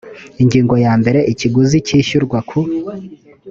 ingingo ya mbere ikiguzi cyishyurwa ku